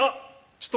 ちょっと